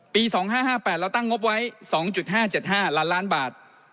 ปี๒๕๕๘เราตั้งงบไว้๒๕๗๕ล้านล้านบาท